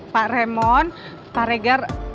pak raymond pak regar